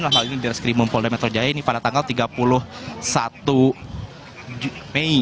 yang lalu ini direskri mempunyai metode jaya ini pada tanggal tiga puluh satu mei